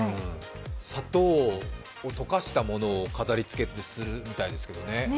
砂糖を溶かしたものを飾り付けするみたいですけどね。